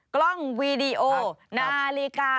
กล้องวีดีโอนาฬิกา